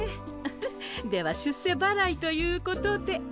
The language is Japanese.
フフでは出世ばらいということで。